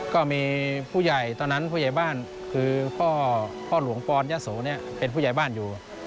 ก็มีผู้ใหญ่ตอนนั้นผู้ใหญ่บ้านคือพ่อหลวงปอนยะโสเนี่ยเป็นผู้ใหญ่บ้านอยู่